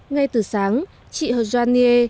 ngay từ sáng chị hồ doan nghê